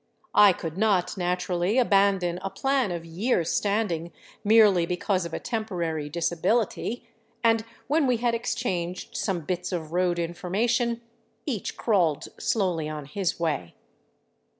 I could not, naturally, abandon a plan of years' standing merely because of a temporary disability, and when we had exchanged some bits of road information each crawled slowly on his way.